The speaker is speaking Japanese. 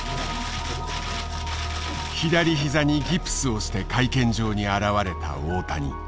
左膝にギプスをして会見場に現れた大谷。